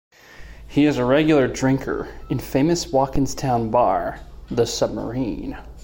He is a regular drinker in famous Walkinstown Bar "The Submarine".